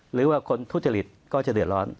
หรือว่าคนทุจริตก็จะเดือดร้อน